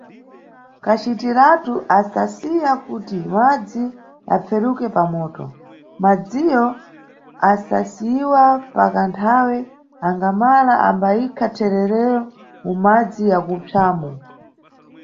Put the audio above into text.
Kacitiratu asasiya kuti madzi aperuke pamoto, madziwo asasiyiwa pakathawe angala ambayikha thererowo mumadzi akupsamo.